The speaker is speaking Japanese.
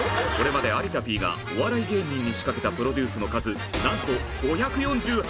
これまで有田Ｐがお笑い芸人に仕掛けたプロデュースの数なんと５４８！